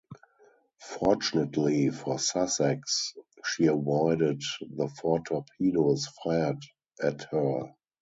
Fortunately for "Sussex" she avoided the four torpedoes fired at her.